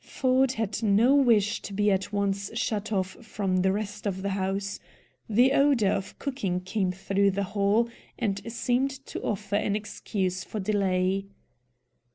Ford had no wish to be at once shut off from the rest of the house. The odor of cooking came through the hall, and seemed to offer an excuse for delay.